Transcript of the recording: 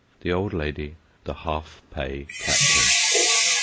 THE OLD LADY. THE HALF PAT CAPTAIN.